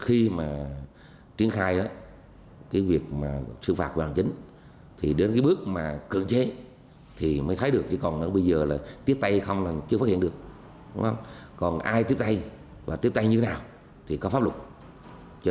khi triển khai sự phạt của đảng chính đến bước cưỡng chế mới thấy được chỉ còn bây giờ tiếp tay không thì chưa phát hiện được còn ai tiếp tay và tiếp tay như thế nào thì có pháp lục